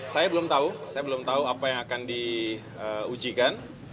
saya belum tahu saya belum tahu apa yang akan diujikan